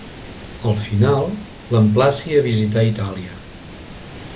Al final, l'emplaci a visitar Itàlia.